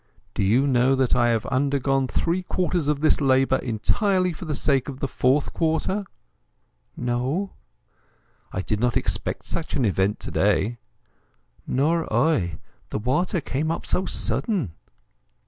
"Do you know that I have undergone three quarters of this labour entirely for the sake of the fourth quarter?" "No." "I did not expect such an event to day." "Nor I... The water came up so sudden."